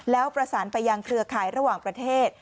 แล้วประสานไปยังเครือข่ายระหว่างประเทศ